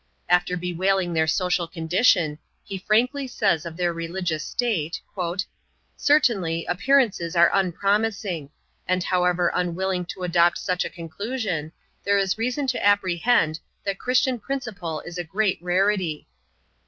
After bewailing their social condition, he frankly says of their religious state, " Certainly, appearances are unpro mising ; and however unwilling to adopt such a conclusion, there is reason to apprehend, that Christian principle is a great rarity."